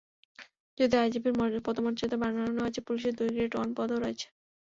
যদিও আইজিপির পদমর্যাদা বাড়ানো হয়েছে, পুলিশে দুটি গ্রেড ওয়ান পদও রয়েছে।